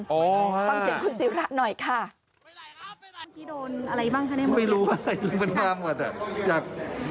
พักษี่คุณสิวระหน่อยค่ะ